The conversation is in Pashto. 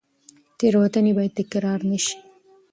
تېروتنې باید تکرار نه شي.